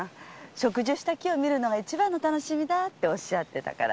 植樹した木を見るのが一番の楽しみだっておっしゃってたから。